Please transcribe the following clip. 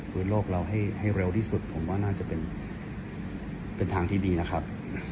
โลกเราให้เร็วที่สุดผมว่าน่าจะเป็นทางที่ดีนะครับ